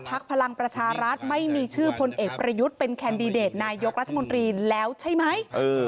พลังประชารัฐไม่มีชื่อพลเอกประยุทธ์เป็นแคนดิเดตนายกรัฐมนตรีแล้วใช่ไหม